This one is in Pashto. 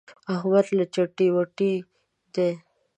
احمد له چتې وتی دی.